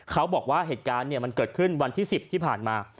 เขาบอกว่าเหตุการณ์มันเกิดขึ้นวันที่๑๐ที่ผ่านมา